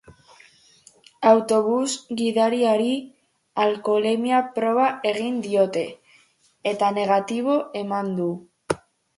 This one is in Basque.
Autobus gidariari alkoholemia proba egin diote, eta negatibo eman du.